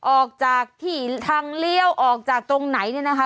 ออกจากที่ทางเลี้ยวออกจากตรงไหนเนี่ยนะคะ